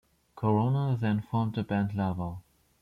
Coronel then formed the band Lover.